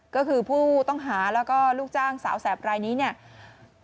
ก็คือผู้ต้องหาแล้วก็ลูกจ้างสาวแสบรายนี้เนี่ย